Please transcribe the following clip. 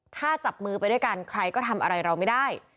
ถ้าจับมือไปด้วยกันใครก็ทำอะไรเราไม่ได้